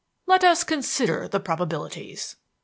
Let us consider the probabilities.